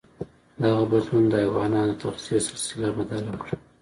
دغه بدلون د حیواناتو د تغذيې سلسله بدل کړه.